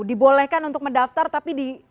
dibolehkan untuk mendaftar tapi di